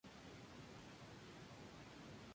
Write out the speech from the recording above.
Se desconoce el monto de la operación.